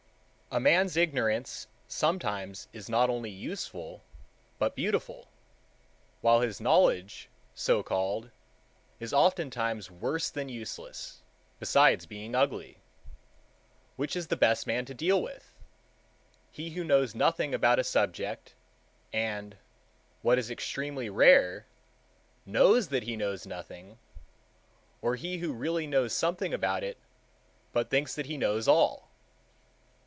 A man's ignorance sometimes is not only useful, but beautiful—while his knowledge, so called, is oftentimes worse than useless, besides being ugly. Which is the best man to deal with—he who knows nothing about a subject, and, what is extremely rare, knows that he knows nothing, or he who really knows something about it, but thinks that he knows all?